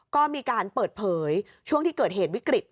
ก็มีการเปิดเผยช่วงที่เกิดเหตุวิกฤต